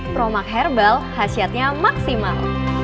promak herbal khasiatnya maksimal